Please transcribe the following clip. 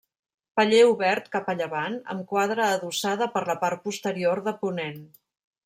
Paller obert cap a llevant, amb quadra adossada per la part posterior de ponent.